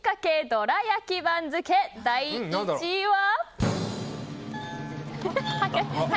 どら焼き番付、第１位は。